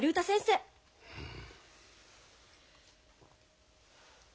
うん。